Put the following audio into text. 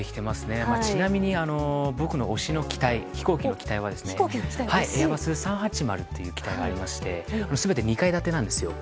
ちなみに、僕の押しの機体はエアバス３８０という機体がありまして全て２階建てなんです。